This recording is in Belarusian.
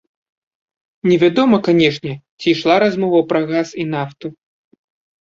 Невядома, канешне, ці ішла размова пра газ і нафту.